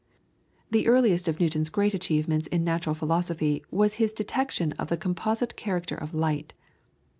The earliest of Newton's great achievements in natural philosophy was his detection of the composite character of light.